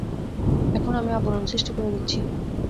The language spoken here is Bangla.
এখন, আমি আবরণ সৃষ্টি করে দিচ্ছি।